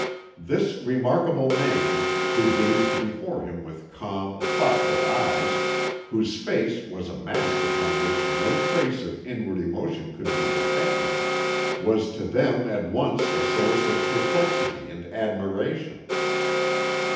This remarkable man, who gazed before him with calm, thoughtful eyes, whose face was a mask upon which no trace of inward emotion could be detected, was to them at once a source of perplexity and admiration.